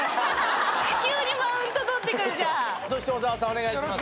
そして小沢さんお願いします。